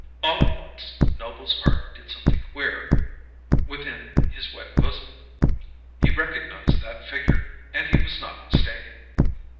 All at once Noble's heart did something queer within his wet bosom. He recognized that figure, and he was not mistaken.